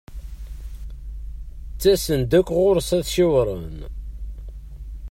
Ttasen-d akk ɣur-s ad t-ciwren.